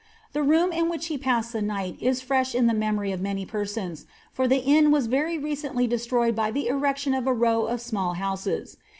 The room in which he passed the night is fresh in the memory of many persons, for the inn was very recently destroyed for the erection of a row of small houses.